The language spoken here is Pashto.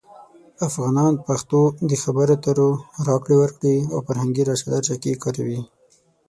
افغانان پښتو د خبرو اترو، راکړې ورکړې، او فرهنګي راشه درشه کې کاروي.